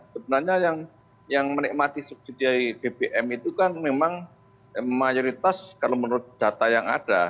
sebenarnya yang menikmati subsidi bbm itu kan memang mayoritas kalau menurut data yang ada